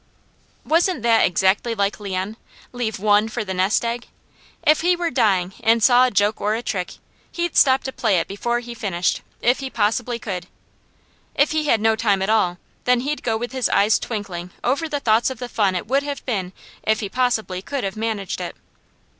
Wasn't that exactly like Leon? Leave ONE for the nest egg! If he were dying and saw a joke or a trick, he'd stop to play it before he finished, if he possibly could. If he had no time at all, then he'd go with his eyes twinkling over the thoughts of the fun it would have been if he possibly could have managed it.